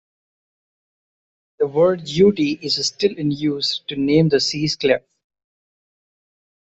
The word "Ut" is still in use to name the C-clef.